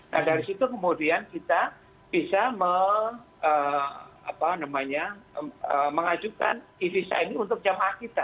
nah dari situ kemudian kita bisa mengajukan evisa ini untuk jamaah kita